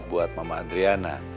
buat mama adriana